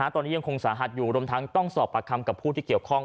ตอนนี้ยังคงสาหัสอยู่รวมทั้งต้องสอบประคำกับผู้ที่เกี่ยวข้อง